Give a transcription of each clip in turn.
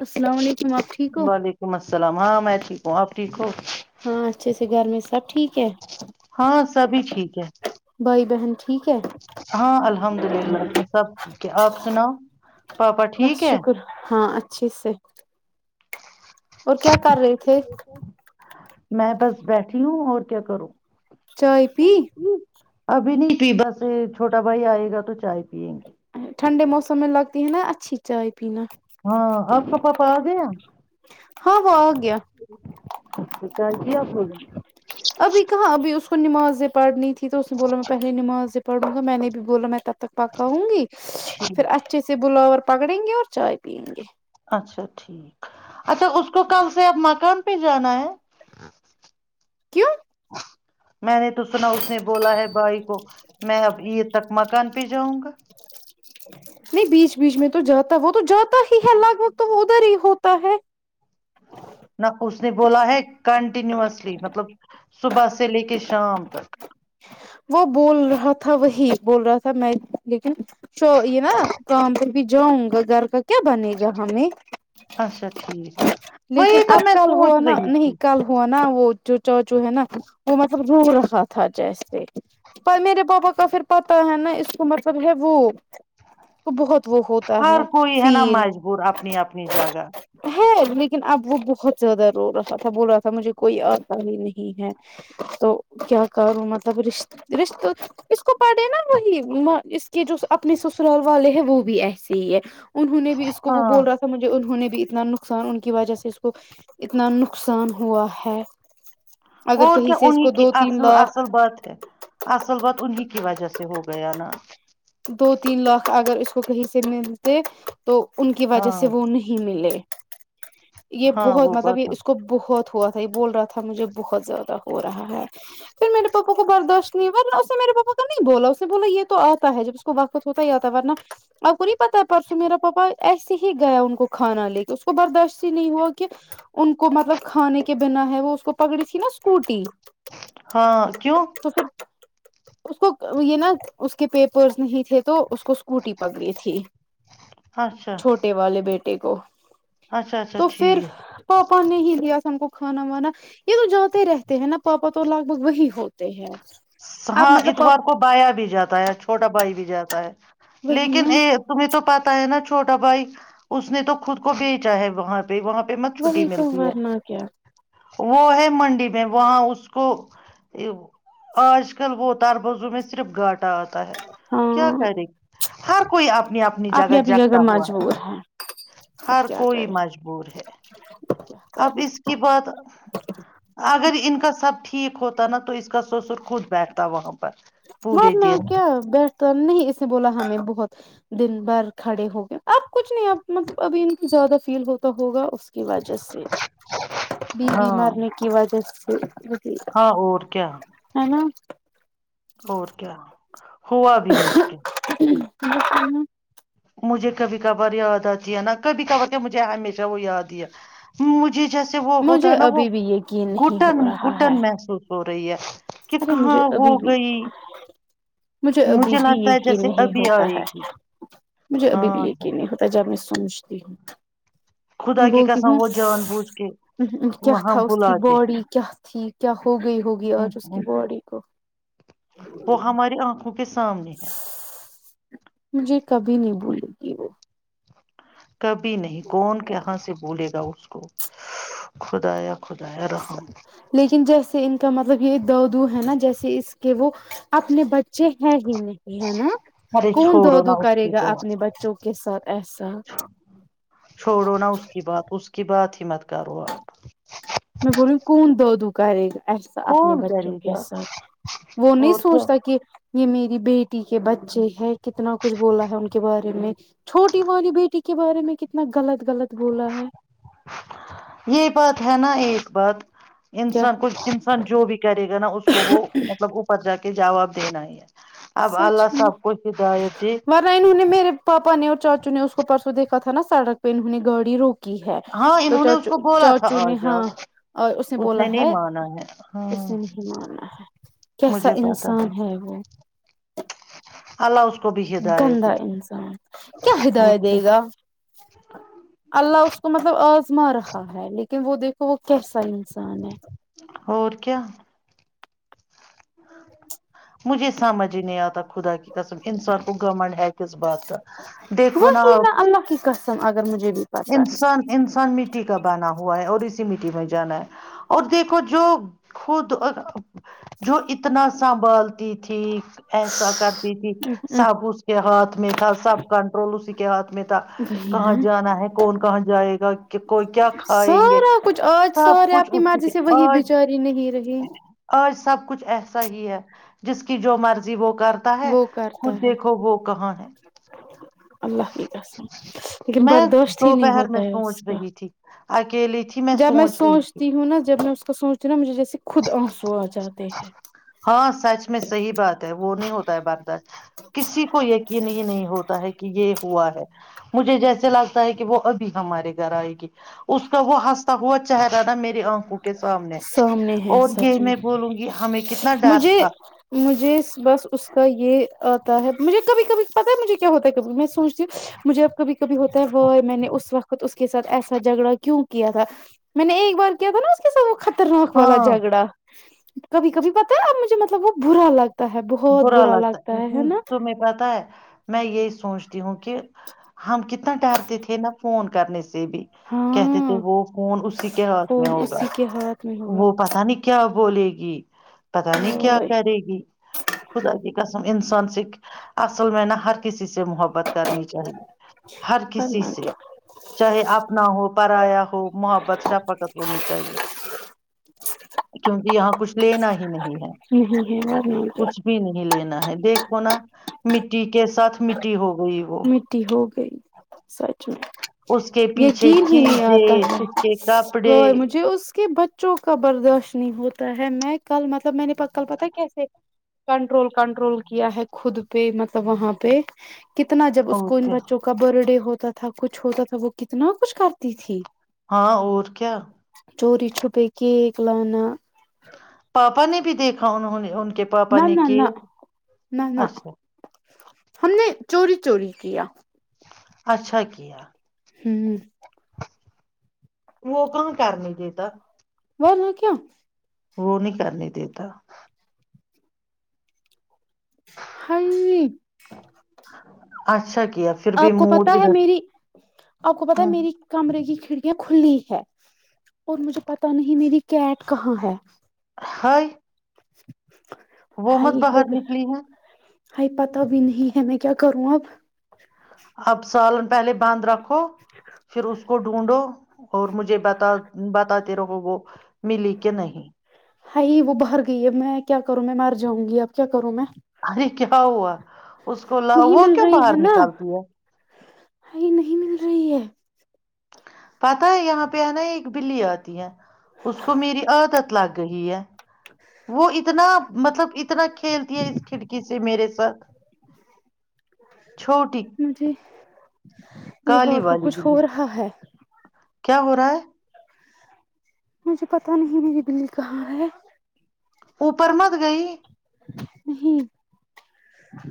السلام علیکم آپ ٹھیک ہو وعلیکم السلام ہاں میں ٹھیک ہوں آپ ٹھیک ہو ہاں اچھے سے گھر میں سب ٹھیک ہے ہاں سبھی ٹھیک ہے بھائی بہن ٹھیک ہے ہاں الحمد للہ میں سب ٹھیک ہے آپ سناؤ پاپا بس ٹھیک ہے شکر ہاں اچھا اچچھ سے اور کیا کر رہے تھے میں بس بیٹھی ہوں اور کیا کرو چائے پی ابھی نہیں پ بس چھوٹا بھائی آئے گا تو چائے پی ٹھنڈے موسم میں لگتی ہے نا اچھی چائے پ ہاں آپ کا پاپا آ گیا ہاں ہگ چ تو کیال کی آ سو گ ابھی کہاں ابھی اس کو نماز پڑنی ت تو اس نے بولا میں پہے نماز پڑوں گا میں نے بھی بولا میں تب تک پکا ہوں گی نے پھر اچھے سے بلاور پکڑیں گے اور چائے پیئیں گے اچھا ٹھیک اچھا اس کو کل سے اب مکن پہ جانا ہے کیوں میں نے تو سنا اس نے بولا ہے بھائی کو میں اب یہ تک مکان پجگ [unintelligible] نہیں بیچ بیچ میں تو جاتا وہ تو جاتا ہی ہے لگ بھگ تو وہ ادھر ہی ہوتا ہے نہ اس نے بولا ہے کنٹینوسلی مطلب صبح سے لے کے شام تک وہ بول رہا تھا وہی بول رہا تھا میں [inaudible] بھی جاؤں گا گھر کا کیا بنے گا ہمیں اچھا ٹھیک ہے، لیکن وہی اب تو میں کل ہوا سوچ نا رہی نہیں تھی کل ہوا نا وہ جو چاچو ہے نا وہ مطلب رو رہا تھا جیسے میرے پاپا کا پھر پتا ہے نا اس کو مطلب ہے وہ کو بہت وہ ہوتا ہر کوئی ہے نا فیل مجبور اپنی اپنی جگہ ہے لیکن اب وہ بہت زیادہ رو رہا تھا بول رہا تھا مجھے کوئی آتا ہی نہیں ہے تو کیا کروں مطلب رشتے رشت اس کو پڑھے نا وہی اس کے جو اپنے سسرال والے ہیں وہ بھی ایسے ہی ہے انہوں نے بھی اس کو وہ ہاں بول رہا تھا مجھے انہوں نے بھی اتنا نقصان ان کی وجہ سے اس کو اتنا نقصان ہوا ہے اگر اور کہیں کیا سے اس انہیں کو کی دو تین اصل لاکھ اصل بات ہے اصل بات انیں کی وجہ سے ہو گیا نا دو تین لاکھ اگر اس کو کہیں سے ملتے تو ان کی وجہ ہاں سے وہ نہیں ملے یہ ہاں بہت وہ مطلب بات یہ تو- اس کو بہت ہوا تھا یہ بول رہا تھا مجھے بہت زیادہ ہو رہا ہے پھر میرے پاپا کو برداشت نہیں اس نے میرے پاپا کا نہیں بولا اس نے بولا یہ تو آ ہوتا جب اس کو وقت ہوتا ہی یاتا ورنہ آب کو نہیں پتا پرسوں میرا پاپا ایسے ہی گیا ان کو کھانا لے کے اس کو برداشت ہی نہیں ہوا کہ ان کو مطلب کھانے کے بنا ہے وہ اس کو پکڑی تھی نا اسکوٹی ہاں کیوں تو پھر اس کو یہ نا اس کو کے پیپرس نہیں تھے تو اس کو کو اسکوٹی پکڑی تھی اچھا چھوٹے والے بیٹے یکو [unintelligible] اچھا اچھا تو پھر ٹھیک پاپا نے ہی دیا سن کو کھانا وانا یہ تو جاتے رہتے ہیں نا پاپا تو لگ بھگ وہی ہوتے ہیں اب ہاں مطلب پاپ اتوار کو بایا بھی جاتا ہے چھوٹا بھائی بھی جاتا ہے وہی لیکن نا یہ تمہیں تو پتتا ہے نا چھوٹا بھائی اس نے تو خود کو بیچا ہے وہاں پہ وہاں پہ مت چھٹی وہی تو ملتی ہے ورنہ کیا وہ ہے منڈی میں وہاں اس کو آج کل بں ت بو م میں صرفاٹ آتا ہے کیا ہاں کرے ہر کوئی آپ نی اپنی جگہ جگتا ہوا ہے اب ہر کیا کوئی کرے مجبور ہے اب اس کی بات اگر ان کا سب ٹھیک ہوتا نا تو س سر خود بیٹھتا وہاں پر پورے ورنہ دن کیا بیٹھتا نہیں اسے بولا ہمیں بہت دن بھر کھڑے ہو گئے اب کچھ نہیں آپ مطلب ابھی ان کو زیادہ فیل ہوتا ہوگا اس کی وجہ سے بیوی ہاں مارنے کی وجہ سے ج [unintelligible] ہاں اور کیا اور کیا ہوا بھی مشکل مجھے کبھی کبھار یاد آتی ہے نا کبھی کبھار تو مجھے ہمیشہ وہ یاد آیا مجھے جیسے ج سے وہ ہوتا مجھے ہے نا وہ ابھی بھی یقین نہیں گٹن ہو رہا ہے گٹن محسوس ہو رہی ہے کہ ارے مجھے کہاں ہو ابھی بھی گئی ابھی مجھے بھی لگتا ہے یقین جیسے نہیں ابھی ہوتا آئے ہے گی مجھے ابھی بھی ہاں سر یقین نہیں ہوتا ج میں سمجھتی خدا ہوں کی بولتی ہوں قسم وہ جان بوجھ کے کیا وہاں تھا اس کی بلاتے باڈی کیا تھی کیا ہو گئی ہوگئی آج اس بڑی کو وہ ہماری آنکھوں کے سامنے ہے مجھے کبھی نہیں بھول گی وہ کبھی نہیں کون کہاں سے بولے گا اس کو خدا خدائے رحم سب۔ لیکن جیسے ان کا مطلب یہ دو دو ہے نا جیسے اس کے وہ اپنے بچے ہیں نہیں ہے نا ارے کون د چھوڑو نا د اس کرے کی گا بات اپنے بچوں کے ساتھ ایسا کہ بات ہی مت کرو آپ گ [unintelligible] ایسا اپنے کون بچوں کرے کے گا ساتھ وہ نہیں اور کیا سوچتا کہ یہ میری بیٹی کے بچے ہے کتنا کچھ بولا ہے ان کے بارے میں چھوٹی والی بیٹی کے بارے میں کتنا غلط غلط بولا ہے یہ بات ہے نا ایک بعد کیا انسان کچھ انسان جو بھی کرے گا نا اس کو وہ مطلب اوپر جا کے کے جواب دینا ہی ہے اب سچ اللہ سب کو ہدایت دے ہے ائنو نے میرے پاپا نے چاچو نے اس کو پرسوں دیکا تھا نا سڑک پین ہونی گاڑی روک کی ہے ہاں تو انہوں نے اس چاچو کو بولا تھا چاچو آ نے جاؤ ہاں اس نے بولا نہیں ہے مانا ہے ہاں اس نے نہیں مانا ہے کیسا مجھے پتا انسان ہے وہ اللہ اس کو بھی ہدایت گندا دے انسان کیا اور ہدایت دے کیا گا اللہ اس کو مطلب آزما رہا ہے لیکن وہ دیکھو وہ کیسا انسان ہے اور کیا مجھے سمجھ ہی نہیں آتا خدا کی قسم انسان کو گورمنٹ ہےیکس بات دیکھو ناپ س [unintelligible] انسان انسان مٹی کا بنا ہوا ہے اور اسی مٹی میں جانا ہے اور دیکھو جو خود جو اتنا سنبھالتی تھی ایسا کرتی تھی ہے سب اس کے ہاتھ میں تھا سب کنٹرول اس کیا میں تھا وہی کہاں نا جانا ہے کون کہاں جائے گا کوئی کیا کھائیں گے سارا کچھ آج سب سارے کچھ اپنی مرضی اٹھک سے وہی آج بیچاری نہیں رہی آج سب کچھ ایسا ہی ہے جس کی جو مرضی وہ کرتا ہے وہ کرتا خود ہے دیکھو وہ کہاں ہے اللہ کی قسم لیکن میں بردوشت اھی نہیں دوپہر ہوتا میں ہے اس سوچ کا رہی تھی اکیلی تھی جب میں سوچ رہی تھی سوچتی ہوں نا جب میں اس کا سوچتی ہوں نا مجھے جیسے خود آنسو آ جاتے ہیں پس سچ میں صحیح بات ہے وہ نہیں ہوتا ہے بارد کسی کو یقین ہی نہیں ہوتا ہے کہ یہ ہوا ہے مجھے جیسے جلاگ ہے کہ وہ ابھی ہمارے گھر آئے گی اس کا وہ ہنستا ہوا چہرا نا میری آنکھوں کے سامنے سامنے ہے اور سچ یہ میں بولوں گی ہمیں کتنا ڈر مجھے تھا مجھے بس اس کا یہ آتا ہے مجھے کبھی کبھی پتاہ ہے مجھے ہوتا ہے کبھی میں سوچتی ہوں مجھے اب کبھی کبھی ہوتا ہے ہو میں نے اس وقت اس کے ساتھ ایسا جھگڑا کیوں کیا تھا میں نے ایک بار کیا تھا نا کے ساتھ وہ خطرناک والا ہاں جھگڑا کبھی کبھی پتا ہے اب مجھے مطلب وہ برا لگ برا لگتا ہے تمہیں پتا ہے میں یہی سوچتا ہوں کہ ہم کتنا ڈرتے تھے نہا فون کرنے سے بھی کہتے تھے ہاں وہ فون اسی کے ہاتھ میں فون ہوگا اسی کے ہاتھ میں ہوگا وہ پتا نہیں کیا بولے گی پتا نہیں کیا کرے گی خدا کی قسم انسان سک اصل مع نےا ہر کسی سے محبت کرنی چاہیے ہر کسی ورنہ سے کیا چاہے اپنا ہو پرایا ہو محبت شفقت ہونی چاہیے کیونکہ یہاں کھ لینا ہے ہی نہیں ہ ہ ہ [unintelligible] کچھ بھی نہیں لینا ہے دیکھو نا مٹی [unintelligible] مٹی ہو گئی وہ مٹی ہو گئی سچ میں اس کے پیچھے یقین ہی نہیں آتا چیزیں ہے اس کے کپڑے و مجھے اس کے بچوں کا برداشت نہیں ہوتا [unintelligible] تا ہے میں کل مطلب میں نے کل پتا ہے کیسے کنٹرول کنٹرول کیا ہے خود پہ مطلب وہاں پہ کتنا جب اس اور کو ان کیا بچوں کا برت ڈے ہوتا [unintelligible] ہوتا تھا کچھ ہوتا تھا وہ کتنا کچھ کرتی تھی [unintelligible] ہاں اور کیا چوری چپ کیک لانا [unintelligible] پاپا نے بھی دیکھا انہوں نے ان کے پا نہ پانی نہ کی نہ نہ نہ اچھا [unintelligible] ہم نے چوری چوری کیا اچھا کیا [unintelligible] ہوں [unintelligible] وہ کہاں کر نہیں دیتا و ہ کیا [unintelligible] وہ نہیں کرنے دیتا ہ [unintelligible] اچھا [unintelligible] بھی آپ کو پتا موڈ ہے ادھر میری آپ کو پتا ہے ہ میری کمرے کیی کڑیاں کھلی ہے اور مجھے پتا نہیں میری کیٹ کہاں ہے ہ [unintelligible] [inaudible] وہ مت ہائی ہو باہر نکلی ہے ہائی پتاہ بھی نہیں ہے میں کیا کروں اب اب سال پہلے باندھ رکھو پھر اس کو ڈھونڈو اور مجھے بتا بتا [unintelligible] کو وہ ملی کہ نہیں ہائی وہ باہر گئی ہے میں کیا کروں میں مار جاؤں گی اب کیا کروں میں ارے کیا ہوا اس کو نہیں وہ مل کی رہی باہر ہے نا نکالتی ہے ہائی نہیں مل رہی ہے پتاہ ہے یہاں پہ ہے نا ہی ایک بلی آتی ہے اسکو میری عادت لا گی ہے وہ اتنا مطلب اتنا کتنا کھیلتی ہے اس کھڑکی سے میرے ساتھ چھوٹی مے ہ کالی کو والی کچھ ہو بلی رہا ہے کیا ہو رہا ہے مجھے پتا نہیں میری بل کہاں ہے اوپر مت گئی [unintelligible]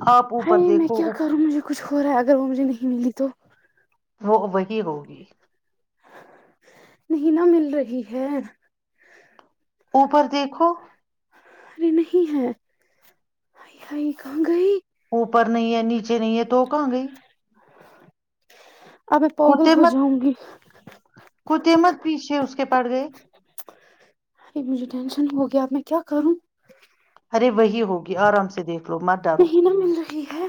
آپ اوپر ہائی میں دیکھو کیا وہ کروں مجھے کچھ ہو رہا ہے اگر وہ مجھے نہیں ملی تو وہ وہی ہوگی نہیں نہ مل رہی ہے اوپر دیکھو ارے نہیں ہے ہائی ہائی کہاں گئی اوپر نہیں ہے نیچ اچے نہیں ہے تو کہاں گئی [unintelligible] اب میں پوگل ہو جاؤں گی قطمت پیچھے اس کو کے پڑ گئے ارے مجھے ٹینشن ہو گیاب میں کیا کروں ارے وہی ہوگی آرام سے دیکھ لو مر ڈالو نہیں نہ مل رہی ہے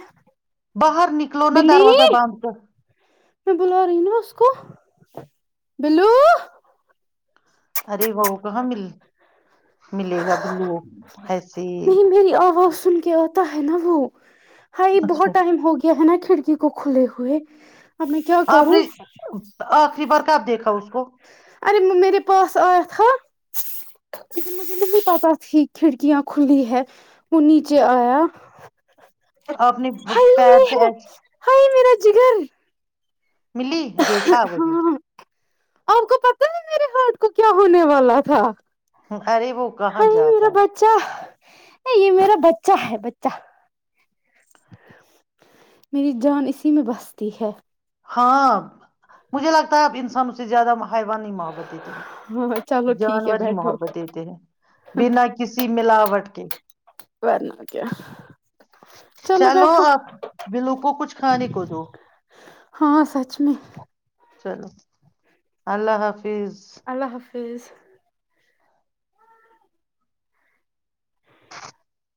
باہر نکلو نا بلی دروازہ باند کر میں بلا رہی نا اس کو بلو ارے وہ کہاں مل ملے گا بلو ایسے نہیں میری آواز سن کے آتا ہے نا وہ ہائی اچھا بہت ٹائم ہو گیا ہے نا کیا کھڑکی کو کھلے ہوئے اب میں کیا آپ کروں نے آخری بار کب دیکھا اس کو ارے میرے پاس آیا تھا ہاں کیکہ مجھے نہیں پتا تھی کھڑکیاں کھلی ہے وہ نیچے آیا آپ نے پیر سے جکگر ملی دیکھا آگ ت آپ کو پتا ہے میرے ہارٹ کو کیا ہونے والا تھا ارے وہ کہاں ہائی جاتا میرا ہے بچہ یہ میرا بچہ ہے بچہ میری جان اسی میں بستی ہے ہاں مجھے لگتا ہے اب انسانوں سے زیادہ بائیوان ہی محبت دیتے ہاں چلو ہیں ٹھیک ہے جانور ہی بیٹھو محبت دیتے ہیں بنا کسی ملاوٹ کے ورنہ کیا چلو آپ بلو کو کچھ کھانے کو دو ہاں سچ میں چلو اللہ حافظ فیز فیض